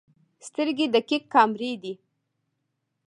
سترګې دقیق کیمرې دي.